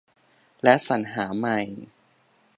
และ สรรหาใหม่